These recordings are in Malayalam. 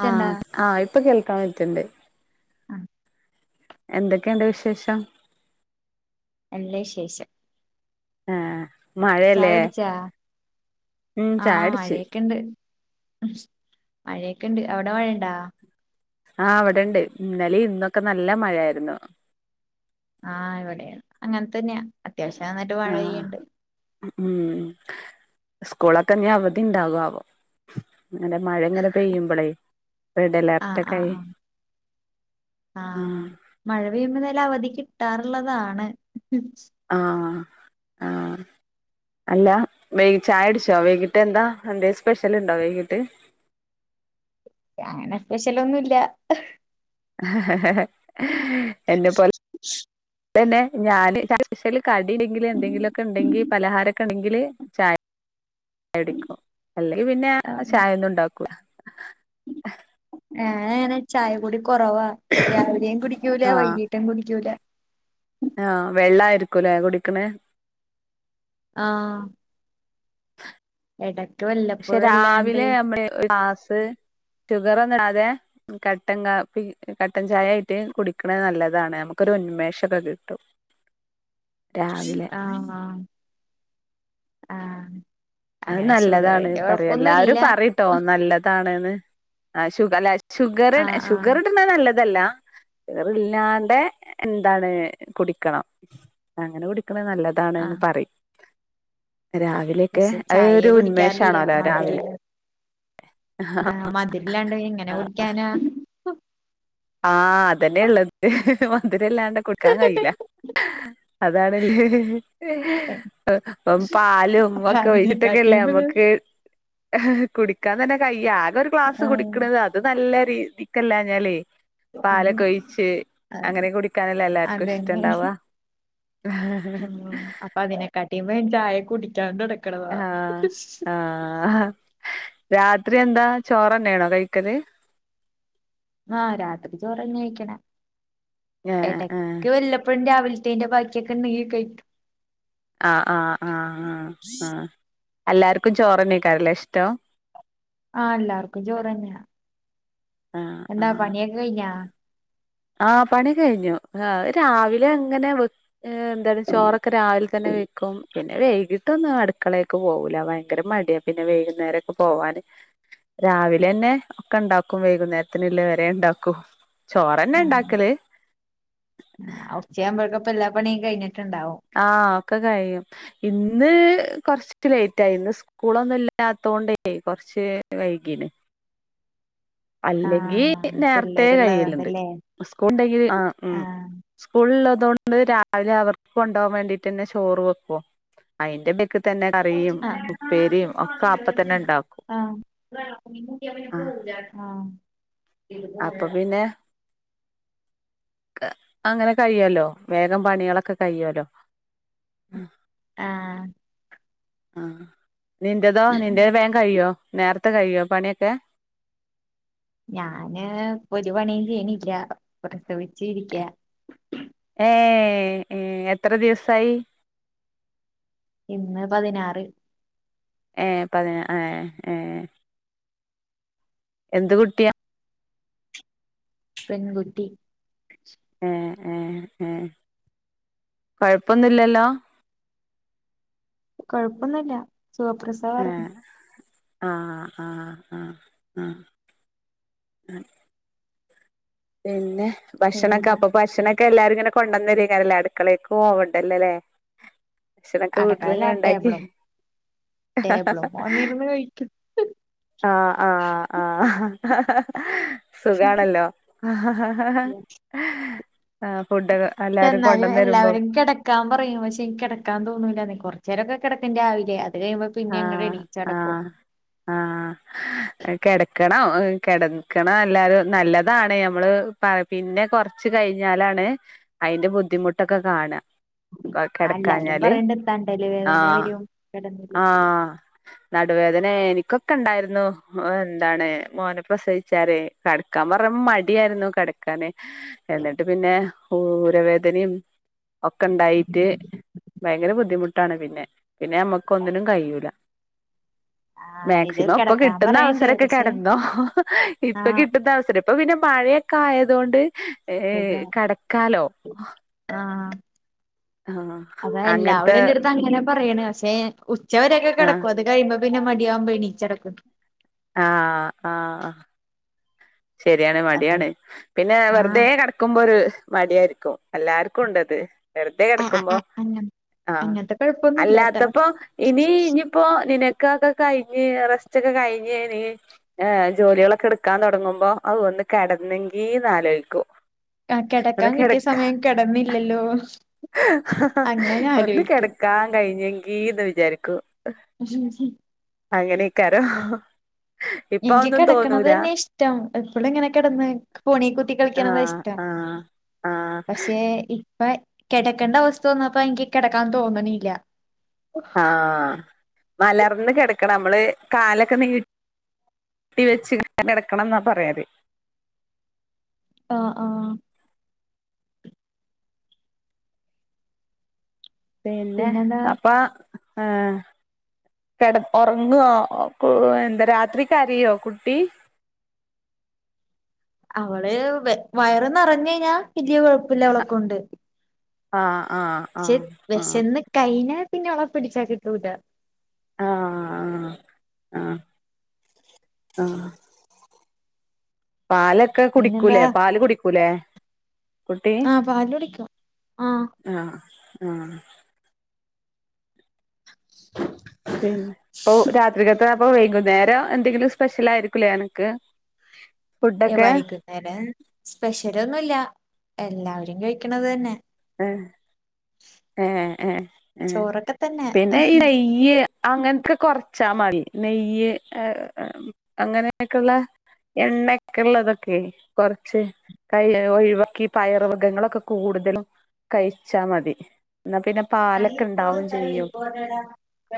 ക്കണ്ടാ ആഹ് ആഹ് ഇപ്പ കേൾക്കാൻ പറ്റ്ണ്ട് ആഹ് എന്തൊക്കെണ്ട് വിശേഷം? നല്ല വിശേഷം? ആഹ് ചായ മഴയല്ലേ കുടിച്ചാ ഉം ചായുട്ച്ച് എന്ത, മഴയൊക്കെണ്ട്. അവിടെ മഴണ്ടാ ആഹ്. ഇവിടെണ്ട്. ഇന്നലിം ഇന്നൊക്കെ നല്ല മഴയിരുന്നു ആഹ് ഇവടിം അങ്ങന് തന്നെയാ. അത്യാവശ്യം നന്നായിട്ട് മഴ ആഹ് പെയ്യ്ണ്ട് ഉം ഉം സ്കൂളൊക്കെനി അവധി ഉണ്ടാകു ആവോ ങ്ങനെ മഴ ഇങ്ങനെ പെയ്യുമ്പോളേയ് റെഡ് ആഹ് അലർട്ടക്കെ ആയി ആഹ് ആഹ് മഴ പെയ്യുമ്പ ന്തായാലും അവധി കിട്ടാറുള്ളതാണ് ആഹ് ആഹ് അല്ല വൈകി ചായുട്ച്ചോ. വൈകിട്ട് എന്താ, എന്തേലും സ്പെഷ്യൽ ഉണ്ടോ വൈകിട്ട്. അങ്ങനെ സ്പെഷ്യലൊന്നുല്ല എന്നെ പോലെ തന്നെ ഞാന് കടി സ്പെഷല് കടിണ്ടെങ്കിൽ, എന്തെങ്കിലുമൊക്കെ ഉണ്ടെങ്കിൽ പലഹാരം ഒക്കെ ഉണ്ടെങ്കിൽ ചായ ചായുടിക്കും, അല്ലെങ്കിൽ പിന്നെ ചായ ഒന്നും ഉണ്ടാക്കൂല്ല ഞാൻ അങ്ങനെ ചായ കൂടി കുറവാ, രാവിലെയും കുടിക്കൂല ആഹ് വൈകീട്ടും കുടിക്കൂല ആഹ് വെള്ളായിരിക്കൂല്ലേ കുടിക്ക്ണ് ആഹ് എടക്ക് പക്ഷെ വല്ലപ്പോഴല്ലാണ്ട് രാവിലെ നമ്മള് ഒരു ഗ്ലാസ് ഷുഗർ ഒന്നും ഇടാതെ കട്ടൻ കാപ്പി, കട്ടൻ ചായ ആയ്ട്ട് കുടിക്ക്ണത് നല്ലതാണ്. നമുക്കൊരു ഉന്മേഷൊക്കെ കിട്ടും രാവിലെ ആഹ് ആഹ് ആഹ് അത് അങ്ങനെ നല്ലതാണ് ഷുഗറിന്റെ പറ്യ, എല്ലാരും കൊഴപ്പൊന്നുല്ല പറയും കേട്ടോ നല്ലതാണ്ന്ന് അഹ് ഷുഗർല്ല ഷുഗറ് ല്ല ആഹ് ആഹ് ഷുഗറ്ടാ നല്ലതല്ല ഷുഗർ ഇല്ലാണ്ടെ, എന്താണ് കുടിക്കണം. അങ്ങനെ കുടിക്ക്ണ് നല്ലതാണ്ന്ന് ആഹ് പറയും. രാവിലൊക്കെ പക്ഷെ അത് ചായയെ ഒരു കുടിക്കാറില്ല ഉന്മേഷാണോലൊ, രാവിലെ. ആഹ് മധുരില്ലാണ്ട് എങ്ങനെ കുടിക്കാനാ. ആഹ് അതന്നെള്ളത് മധുരല്ലാണ്ട് കുടിക്കാൻ കയില്ല അതാണ്ല്ലേ പ്പൊ പാലും ഒക്കെ ഒഴിച്ചിട്ടൊക്കെല്ലേ അതിനെക്കാട്ടിയും ഇത് നമ്മക്ക് കുടിക്കാൻ തന്നെ കഴിയാ ആകെ ഒരു ഗ്ലാസ് ആഹ് കുടിക്കണത്, അത് നല്ല രീതിക്കല്ലാഞ്ഞാലേ. അത് പാലൊക്കെ ഒഴിച്ച് അങ്ങനെ കുടിക്കാനല്ലേ എല്ലാവർക്കും അതന്നെ ഇഷ്ടംണ്ടാവുക [inaudible] അതിനെകാട്ടി വേം ചായ കുടിക്കാൻ തൊടങ്ങും. ആഹ് ആഹ്. രാത്രി എന്താ ചോറന്നെയാണോ കഴിക്കല്. ആഹ് രാത്രി ചോറന്ന്യാ കഴിക്ക്ണെ ഏഹ് ഏഹ് എടക്ക് വല്ലപ്പോഴും രാവിലെ തേന്റെ ബാക്കിയൊക്കെണ്ടെങ്കി കഴിക്കും. ആഹ് ആഹ് ആഹ് ആഹ് ആഹ് എല്ലാർക്കും ചോറന്നെ കഴിക്കാനാണ് [unintelligible] ഇഷ്ടോ ആഹ് എല്ലാർക്കും ചോറ് തന്നെയാ ആഹ് എന്താ ആഹ് പണിയൊക്ക കഴിഞ്ഞാ ആഹ് പണിയൊക്കെ കഴിഞ്ഞു. ആഹ് രാവിലെ അങ്ങനെ എന്താലും ചോറൊക്കെ രാവിലെ തന്നെ വെക്കും. പിന്നെ വൈകിട്ടൊന്നും അടുക്കളയ്ക്ക് പോകില്ല. ഭയങ്കര മടിയാ പിന്നെ വൈകുന്നേരൊക്കെ പോവാന്. രാവിലെ ന്നെ ഒക്കെ ഒണ്ടാക്കും, വൈകുന്നേരത്തിനുള്ള വരെ ഒ ണ്ടാക്കും. ചോ ആഹ് ഉച്ചയാവുമ്പോഴേക്കപ്പം എല്ലാ പണിയും കഴിഞ്ഞിട്ടുണ്ടാവും ആഹ് ഒക്കെ കഴിയും. ഇന്ന്.. കൊറച്ച് ത്തി ലേറ്റ് ആയി ന്ന്സ് കൂളൊന്നും ഇല്ലാത്തോണ്ടേ കൊറച്ച് വൈകീന് [unintelligible] അല്ലെങ്കി ആഹ് നേരത്തെ കൈയ്യെലുണ്ട്. പിള്ളേരുള്ളതുകൊണ്ടല്ലേ സ്കൂൾ ഉണ്ടെങ്കിൽ ആഹ് ഉം. സ്കൂള് ഉള്ളതുകൊണ്ട് രാവിലെ അവർക്ക് കൊണ്ടുപോകാൻ വേണ്ടിട്ടെന്നെ ചോറ് വെക്കോ. അതിന്റെ മേക്ക് തന്നെ കറിയും ആഹ് ഉപ്പേരിയും ഒക്കെ അപ്പ തന്നെ ഉണ്ടാക്കും [unintelligible] മീൻ കൂട്ടിയാ പിന്നെ പോവൂലാട്ടാ അപ്പ പിന്നെ അങ്ങനെ കഴിയോല്ലൊ വേഗം പണികളൊക്കെ കഴിയോല്ലൊ ആഹ് ആഹ് ആഹ് നിന്റെതോ നിന്റെ വേഗം കഴിയോ നേരത്തെ കഴിയോ പണിയൊക്കെ ഞാന് ഇപ്പൊ ഒരു പണിയും ചെയ്യണില്ല പ്രസവിച്ച് ഇരിക്ക്യാ ഏഹ് ഏഹ് എത്ര ദിവസായി ഇന്ന് പതിനാറ് ഏഹ് പതിന ആഹ് ഏഹ് എന്ത് കുട്ടിയാ പെൺകുട്ടി ആഹ് ആഹ് ആഹ് കൊഴപ്പൊന്നുംല്ലല്ലോ കൊഴപ്പൊന്നുല്ല സുഖപ്രസവാര്ന്ന് ആഹ് ആഹ് ആഹ് ആഹ് പിന്നെ ഭക്ഷണൊക്കെ പിന്നെന്താ അപ്പൊ ഭക്ഷണംക്കെ എല്ലാരും ഇങ്ങനെ കൊണ്ടുവന്ന് തരുകാരിക്ക്ല്ലേ അടുക്കളക്ക് പോവണ്ടല്ലോ അല്ലേ ഭക്ഷണക്കെ അടക്കാല്ല വീട്ടിലിങ്ങനെ ഉണ്ടാക്കി ടേബിളും ടേബിളും വന്നിരുന്ന് കഴിക്കും ആഹ് ആഹ് ആഹ് സുഖാണല്ലോ ആഹ് ഫുഡൊക്കെ എല്ലാരും എന്നാലും കൊണ്ടന്ന് തരുമ്പോ എല്ലാവരും കെട ക്കാൻ പറയും പക്ഷെ എനിക്ക് കെടക്കാൻ തോന്നൂല്ല കൊറച്ച് നേരൊക്കെ കെടക്കും രാവിലെ അത് കഴിയുമ്പൊ പിന്നെങ്ങട് ആഹ് എണീച്ചടക്കും ആഹ് ആഹ് കിടക്കണോ കിടക്കണം. എല്ലാരും നല്ലതാണ് ഞമ്മള് പിന്നെ കൊറച്ച് കഴിഞ്ഞാലാണ്, അതിന്റെ ബുദ്ധിമുട്ടൊക്കെ കാണുക. ആ എല്ലാവരും കിടക്കാഞ്ഞാല് പറയണ്ട് തണ്ടല് വേദന ആഹ്, വരും കിടന്നില്ലെങ്കിൽ ആഹ് നടുവേദന എനിക്കൊക്കെ ഉ ണ്ടായിരുന്നു. എന്താണ് മോന പ്രസവിച്ചാലെ. കിടക്കാൻ പറഞ്ഞപ്പോൾ മടിയായിരുന്നു കിടക്കാന്. എന്നിട്ട് പിന്നെ ഊരവേദനയും ഒക്കെ ഉണ്ടായിട്ട്. ഭയങ്കര ബുദ്ധിമുട്ടാണ് പിന്നെ പിന്നെ നമ്മക്ക് ഒന്നിനും കഴിയൂല. [inaudible] ഇത് മാക്സിമം ഇപ്പൊ കിടക്കാൻ കിട്ടുന്ന പറയണ്ട് അവസരൊക്കെ പക്ഷെ കിടന്നോ? ഇപ്പൊ ആഹ് കിട്ടുന്ന അവസരം. ഇപ്പൊ പിന്നെ മഴയൊക്കെ ആയത് കൊണ്ട് ഏഹ് സുഖം കിടക്കാലോ. ആഹ് ആ അതാ അങ്ങനത്തെ എല്ലാവരും എന്റെടുത്ത് അങ്ങനെ പറയണ് പക്ഷെ ഉച്ചവരൊക്കെ ആ കിടക്കും. അത് കഴിയുമ്പോ, പിന്നെ മടിയാവുംമ്പോൾ എണീച്ച് നടക്കും. ആഹ് ആഹ് ശരിയാണ്. അതെ മടിയാണ് പിന്നെ ആഹ് വെറുതെ കിട ക്കുമ്പോ ഒരു മടിയായിരിക്കും എല്ലാർക്കും ഉണ്ടത്. വെറുതെ ആഹ് ആഹ് കിടക്കുമ്പോ ആഹ് അങ്ങ ആഹ് അങ്ങനത്തെ കൊഴപ്പൊന്നുല്ലാട്ടാ അല്ലാത്തപ്പോ ഇനി ഇനി ഇപ്പൊ നിനക്ക് ഒക്കെ കഴിഞ്ഞ് റസ്റ്റ് ഒക്കെ കഴിഞ്ഞ് നീ ഏഹ് ജോലികളൊക്കെ എടുക്കാൻ തുടങ്ങുമ്പോ, ആവൂ ഒന്ന് കിടന്നെങ്കിന്ന് ആലോചിക്കും. ആഹ് ഒന്ന് കിടക്കാൻ കിട്ടിയ കിടക്ക, സമയം കിടന്നില്ലല്ലോ അങ്ങനെ ഒന്ന് ആലോയിക്കും കിടക്ക ക്കാൻ കഴിഞ്ഞെങ്കിന്ന് വിചാരിക്കും. [inaudible] അങ്ങനെ ആയിരിക്കും. എനിക്ക് കിടക്കണത് തന്നെ ഇഷ്ടം. എപ്പോള ഇങ്ങനെ കിടന്ന് ഫോണി കുത്തി കളിക്കണ ആഹ് ഇഷ്ട്ടം ആഹ് ആഹ് പക്ഷേ ഇ ഇപ്പ കിടക്കണ്ട അവസ്ഥ വന്നപ്പ, എനിക്ക് കിടക്കാൻ തോന്നണില്ല. ആഹ് മലർന്ന് കിടക്കണം മ്മള് കാലൊക്കെ നീ ട്ടി വെച്ചിങ്ങനെ കെടക്കണം എന്നാ പറയല്. ആഹ് ആഹ് പിന്നെ പിന്നെന്താ അപ്പൊ ആഹ് കിടന്നോ, ഉറങ്ങുവോ, എന്താ രാത്രി കരയോ കുട്ടി? അവള് വ വയറ നിറഞ്ഞ കഴിഞ്ഞ വല്യ കുഴപ്പല്ല അവളെക്കൊണ്ട്. ആഹ് ആഹ് ആഹ് ആഹ് കൈന പിന്നോളപ്പിടിച്ച കിട്ടൂല. ആഹ് ആഹ് ആഹ് ആഹ് പാലൊക്കെ പിന്നെന്താ കുടിക്കൂലേ, പാല് കുടിക്കൂലേ? കുട്ടി ആഹ്, പാല് കുടിക്കും, ആഹ്. ആഹ്, ആഹ് [inaudible] ഓ രാത്രി കത്തപ്പൊ വൈകുന്നേരം എന്തെങ്കിലും സ്പെഷ്യലാ യിരിക്കൂലെ അനക്ക്? ഏഹ്, ഫുഡൊക്കെ വൈകുന്നേരം സ്പെഷ്യലൊന്നു ല്ല, എല്ലാവരും കഴിക്കണ തന്നെ. ആഹ് എഹ് ഏഹ് എഹ് ചോറൊക്കെ തന്നെ പിന്നെ ഇ നെയ്യ് യ്യ് അങ്ങനത്തെ കൊറച്ചാ മതി നെയ്യ് അങ്ങനോക്കെയുള്ള. എണ്ണ ക്കെള്ളുതൊക്കെ കുറച്ച് കൈവയും ഒയിവാക്കി, പയർ വർ ഗങ്ങളൊക്കെ കൂടുതലും കഴിച്ചാ മതി. എന്നാ പിന്നെ. പാലൊക്കെ ഉണ്ടാവും ചെയ്യും ആഹ്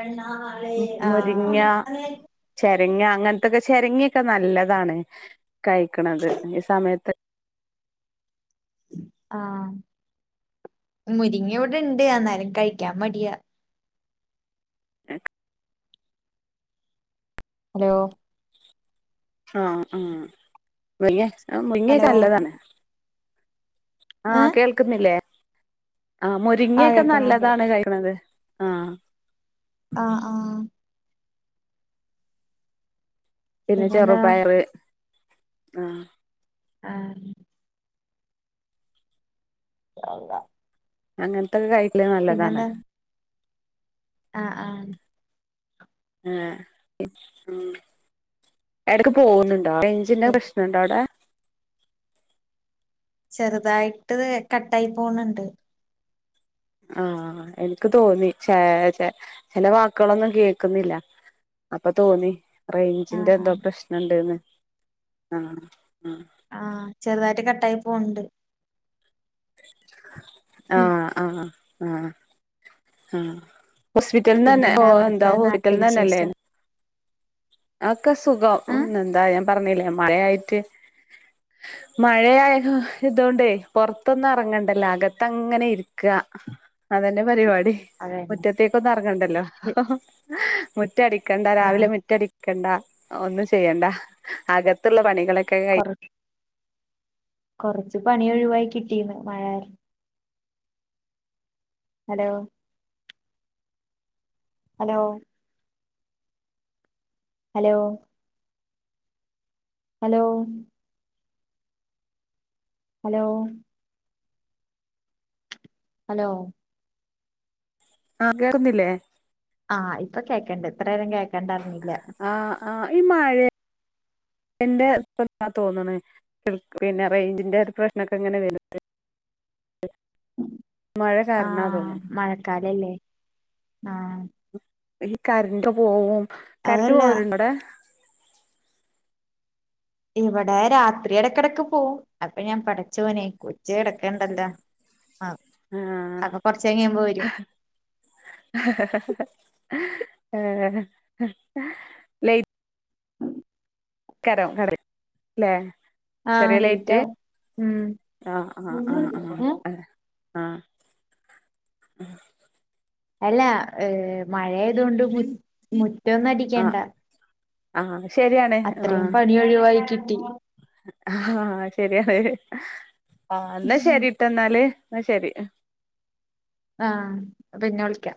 മുരിങ്ങ [unintelligible] ചെരങ്ങ അങ്ങൻത്തൊക്കെ ചിരങ്ങൊക്കെ നല്ലതാണ് കഴിക്കണത് ഈ സമയത്ത് ആഹ് മുരിങ്ങവിടെണ്ട് എന്നാലും കഴിക്കാൻ മടിയാ. ഹലോ ആഹ് ആഹ് മുരിങ്ങ ഹലോ മുരിങ്ങൊക്ക ല്ലതാണ്. ആഹ് ഏഹ് കേൾക്കുന്നില്ലേ, ആ ആഹ് മുരിങ്ങയൊക്കെ കേക്കണുണ്ട് നല്ലതാണ് കയിക്ക്‌ണത്. ആഹ് ആഹ് ആഹ് പിന്നെ പിന്നെന്താ ചെറുപയറ് ആഹ് ആഹ് [unintelligible] അങ്ങൻത്തൊക്കെ കഴിക്കണത് നല്ലതാണ്. പിന്നെന്താ ആഹ് ആഹ് ഏഹ് ഉം എടക്ക് പോവ്ന്നുണ്ടോ റേഞ്ചിന്റെ പിന്നെ പ്രശ്നുണ്ടോവിടെ? ചെറുതായിട്ട് കട്ടായി പോന്ന്ണ്ട് ആഹ് എനിക്ക് തോന്നി, ചെ ചെ ചിലവാക്കുകളൊന്നും കേൾക്കുന്നില്ല. അപ്പൊ തോന്നി റേഞ്ചിന്റെ ആഹ് എന്തോ ആഹ് പ്രശ്ന്ണ്ട്ന്ന് ആഹ് അഹ് ആഹ് ചെറുതായിട്ട് കട്ടായി പൊവ്ണ്ട്. ആഹ് ആഹ് ആഹ് ആഹ് ഹോസ്പിറ്റൽന്നന്നെ പിന്നെന്താ ഓഹ്എന്താ അവിടുത്തെ ഓ [inaudible] നാട്ടു റ്റൽന്നന്നല്ലേ? വിശേഷം അക്കെ സുഖം ഉം ആഹ് എന്താ ഞാൻ പറഞ്ഞില്ലേ മയായിട്ട്, മഴയായകാ ഇതൊണ്ടേ പൊറത്തൊന്നും എറങ്ങണ്ടല്ലോ അകത്തങ്ങനെ ഇരിക്ക. അതന്നെപരിപാടി. അതന്നെ മുറ്റത്തേക്കൊന്നുഅർങ്ങണ്ടല്ലോ. മുറ്റടിക്കണ്ട രാവിലെ ആഹ് മുറ്റടി ക്കണ്ട ഒന്നും ചെയ്യണ്ട അകത്ത്ള്ള പണികളൊക്കെ കഴി കൊറ കൊറച്ച് പണി ഒഴിവായി കിട്ടീന്ന് മഴ കാര്. Hello hello hello hello hello hello ആഹ് കേറുന്നില്ലേ ആഹ് ഇപ്പ കേക്കണ്ട് ഇത്രേ രം കേക്കണ്ടാർന്നില്ല ആഹ് ആഹ് ഈ മഴേ എന്റെ [unintelligible] തോന്ന്ണ് പിന്നെ റേഞ്ചിന്റെ ഒരു പ്രശ്നൊക്കെ എങ്ങനെ വരുന്നത് ആഹ് മഴക്കാലല്ലേ ആഹ് ഈ കര്ന്റ് പോവും, കര്ന്റ് അതല്ല പോവലണ്ട്ണ്ടോടെ ഇവടെ രാത്രി ഇടക്കിടക്ക് പോവും അപ്പൊ ഞാൻ പടച്ചോനെ കൊച്ച് കെടക്കണ്ടല്ലോ കഴിയുമ്പോ വരും ആഹ് ഏഹ് അക്ക കരം കറി ലേ ആഹ് ചെറി ലൈറ്റ് ലേറ്റാവും ഉം ആഹ് ആഹ് ആഹ് ആഹ് ഏ ആഹ് ആഹ് അല്ല ഏഹ് മഴ ആയതോണ്ട് മുറ്റൊന്നു അടിക്കണ്ട ആഹ് ആഹ് ശരിയണ് അത്രയും ആഹ് പണി ഒഴിവായി കിട്ടി ആഹ് ശരിയാണ് ആഹ് ഇന്നാ ശരി ട്ടൊന്നാല്. ഇന്ന ശരി ആഹ് പിന്നെ വിള്ക്ക്യ